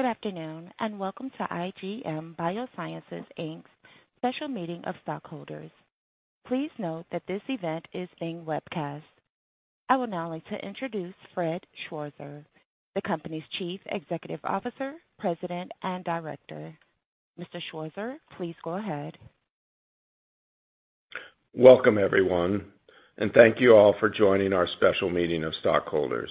Good afternoon, welcome to IGM Biosciences Inc.'s special meeting of stockholders. Please note that this event is being webcast. I would now like to introduce Fred Schwarzer, the company's Chief Executive Officer, President, and Director. Mr. Schwarzer, please go ahead. Welcome, everyone, and thank you all for joining our special meeting of stockholders.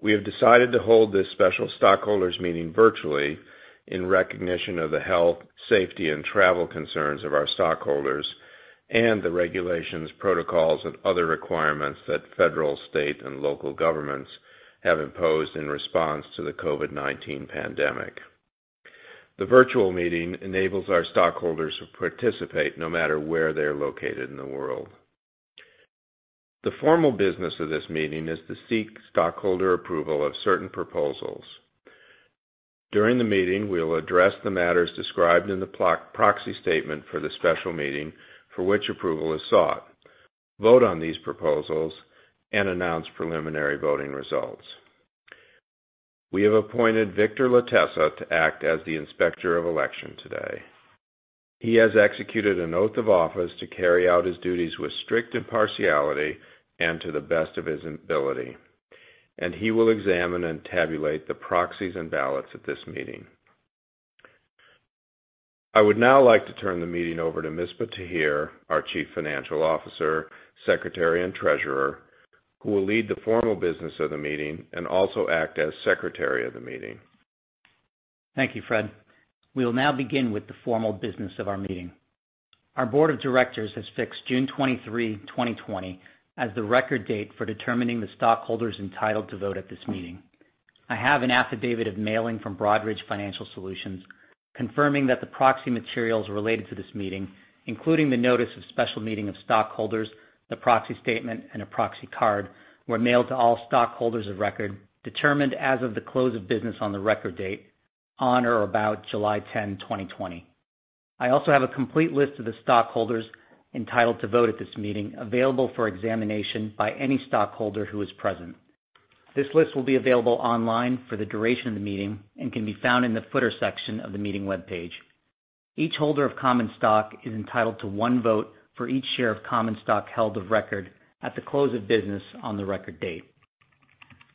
We have decided to hold this special stockholders meeting virtually in recognition of the health, safety, and travel concerns of our stockholders and the regulations, protocols, and other requirements that federal, state, and local governments have imposed in response to the COVID-19 pandemic. The virtual meeting enables our stockholders to participate no matter where they're located in the world. The formal business of this meeting is to seek stockholder approval of certain proposals. During the meeting, we'll address the matters described in the proxy statement for the special meeting for which approval is sought, vote on these proposals, and announce preliminary voting results. We have appointed Victor Latessa to act as the Inspector of Election today. He has executed an oath of office to carry out his duties with strict impartiality and to the best of his ability, and he will examine and tabulate the proxies and ballots at this meeting. I would now like to turn the meeting over to Misbah Tahir, our Chief Financial Officer, Secretary, and Treasurer, who will lead the formal business of the meeting and also act as secretary of the meeting. Thank you, Fred. We will now begin with the formal business of our meeting. Our board of directors has fixed June 23, 2020, as the record date for determining the stockholders entitled to vote at this meeting. I have an affidavit of mailing from Broadridge Financial Solutions confirming that the proxy materials related to this meeting, including the notice of special meeting of stockholders, the proxy statement, and a proxy card, were mailed to all stockholders of record determined as of the close of business on the record date on or about July 10, 2020. I also have a complete list of the stockholders entitled to vote at this meeting available for examination by any stockholder who is present. This list will be available online for the duration of the meeting and can be found in the footer section of the meeting webpage. Each holder of common stock is entitled to one vote for each share of common stock held of record at the close of business on the record date.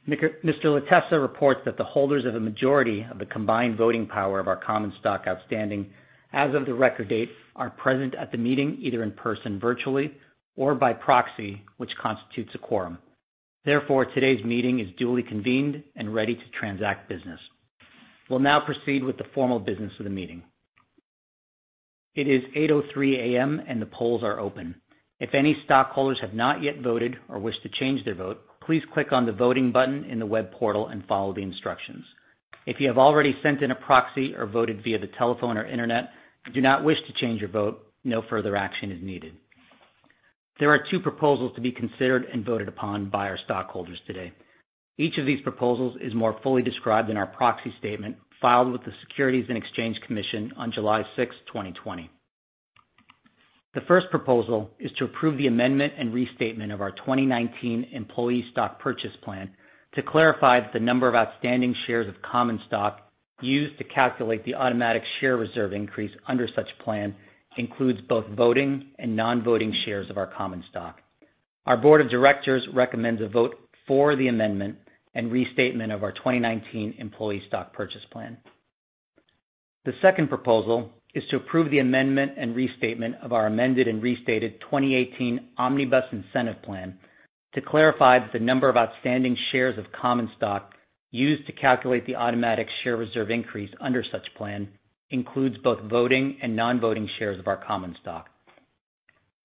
Mr. Latessa reports that the holders of a majority of the combined voting power of our common stock outstanding as of the record date are present at the meeting, either in person, virtually, or by proxy, which constitutes a quorum. Therefore, today's meeting is duly convened and ready to transact business. We'll now proceed with the formal business of the meeting. It is 8:03 A.M., and the polls are open. If any stockholders have not yet voted or wish to change their vote, please click on the Voting button in the web portal and follow the instructions. If you have already sent in a proxy or voted via the telephone or internet, and do not wish to change your vote, no further action is needed. There are two proposals to be considered and voted upon by our stockholders today. Each of these proposals is more fully described in our proxy statement filed with the Securities and Exchange Commission on July 6, 2020. The first proposal is to approve the amendment and restatement of our 2019 Employee Stock Purchase Plan to clarify that the number of outstanding shares of common stock used to calculate the automatic share reserve increase under such plan includes both voting and non-voting shares of our common stock. Our board of directors recommends a vote for the amendment and restatement of our 2019 Employee Stock Purchase Plan. The second proposal is to approve the amendment and restatement of our amended and restated 2018 Omnibus Incentive Plan to clarify that the number of outstanding shares of common stock used to calculate the automatic share reserve increase under such plan includes both voting and non-voting shares of our common stock.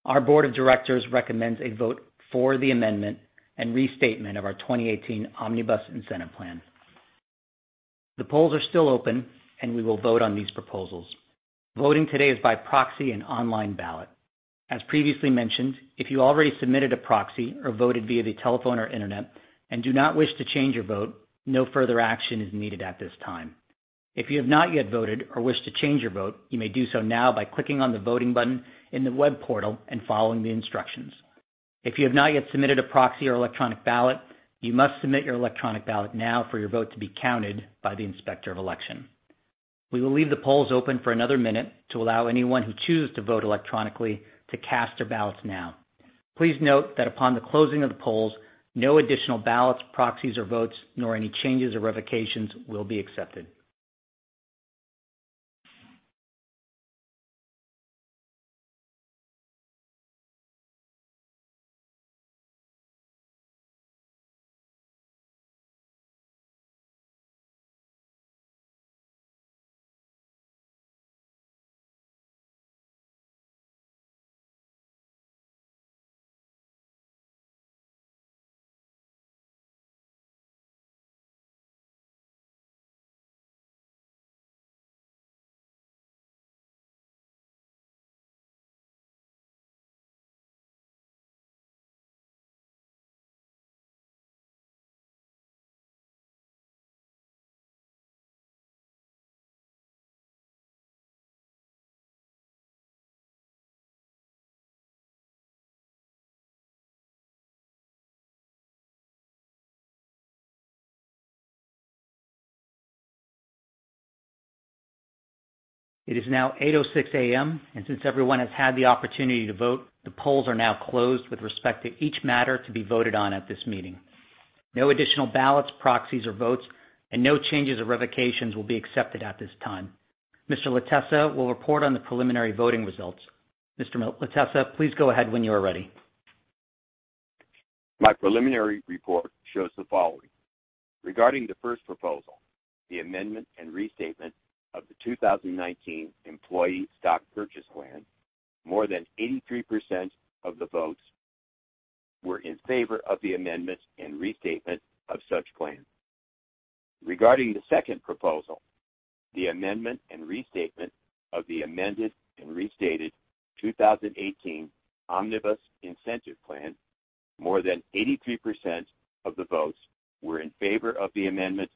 Our Board of Directors recommends a vote for the amendment and restatement of our 2018 Omnibus Incentive Plan. The polls are still open, and we will vote on these proposals. Voting today is by proxy and online ballot. As previously mentioned, if you already submitted a proxy or voted via the telephone or internet and do not wish to change your vote, no further action is needed at this time. If you have not yet voted or wish to change your vote, you may do so now by clicking on the Voting button in the web portal and following the instructions. If you have not yet submitted a proxy or electronic ballot, you must submit your electronic ballot now for your vote to be counted by the Inspector of Election. We will leave the polls open for another minute to allow anyone who choose to vote electronically to cast their ballots now. Please note that upon the closing of the polls, no additional ballots, proxies, or votes, nor any changes or revocations will be accepted. It is now 8:06 A.M., since everyone has had the opportunity to vote, the polls are now closed with respect to each matter to be voted on at this meeting. No additional ballots, proxies, or votes, and no changes or revocations will be accepted at this time. Mr. Latessa will report on the preliminary voting results. Mr. Latessa, please go ahead when you are ready. My preliminary report shows the following. Regarding the first proposal, the amendment and restatement of the 2019 Employee Stock Purchase Plan, more than 83% of the votes were in favor of the amendments and restatement of such plan. Regarding the second proposal, the amendment and restatement of the amended and restated 2018 Omnibus Incentive Plan, more than 83% of the votes were in favor of the amendments and restatement of such plan. Thank you,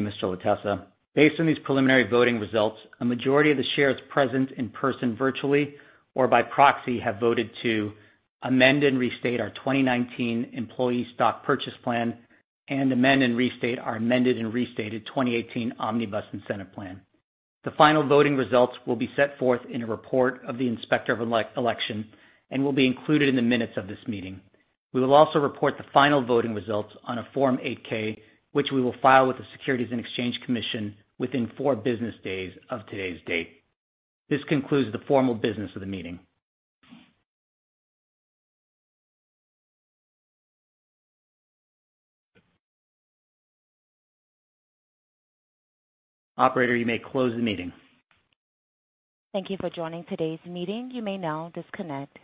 Mr. Latessa. Based on these preliminary voting results, a majority of the shares present in person, virtually, or by proxy, have voted to amend and restate our 2019 Employee Stock Purchase Plan and amend and restate our amended and restated 2018 Omnibus Incentive Plan. The final voting results will be set forth in a report of the inspector of election and will be included in the minutes of this meeting. We will also report the final voting results on a Form 8-K, which we will file with the Securities and Exchange Commission within four business days of today's date. This concludes the formal business of the meeting. Operator, you may close the meeting. Thank you for joining today's meeting. You may now disconnect.